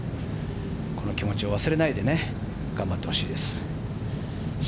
この気持ちを忘れないで頑張ってほしいです。